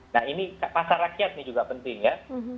nah ini pasar rakyat ini juga penting ya